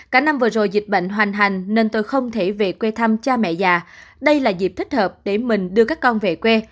cả năm vừa rồi dịch bệnh hoành hành nên tôi không thể về quê thăm cha mẹ già đây là dịp thích hợp để mình đưa các con về quê